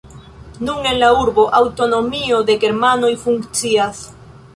Nun en la urbo aŭtonomio de germanoj funkcias.